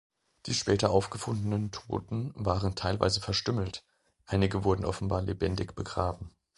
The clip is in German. Die später aufgefundenen Toten waren teilweise verstümmelt, einige wurden offenbar lebendig begraben.